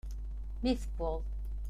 Mi tewweḍ.